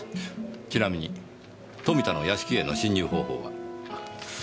ちなみに富田の屋敷への侵入方法は？